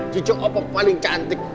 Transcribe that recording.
jujuk opok paling cantik